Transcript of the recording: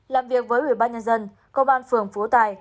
làm việc với ubnd công an phường phú tài